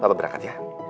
papa berangkat ya